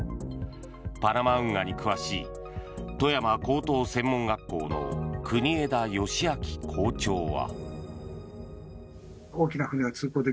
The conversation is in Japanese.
パナマ運河に詳しい富山高等専門学校の國枝佳明校長は。